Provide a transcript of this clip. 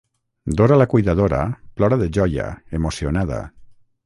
Dora la cuidadora plora de joia, emocionada.